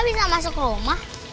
mereka bisa masuk rumah